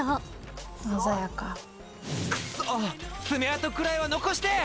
爪痕くらいは残してえ！